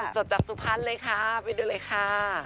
สดจากสุพรรณเลยค่ะไปดูเลยค่ะ